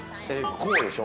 こうでしょ？